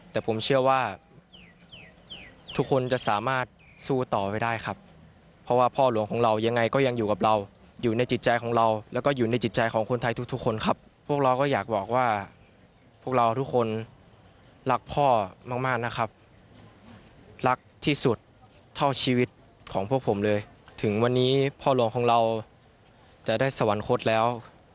เท่าชีวิตของพวกผมเลยถึงวันนี้พ่อหลวงของเราจะได้สวรรคตแล้ว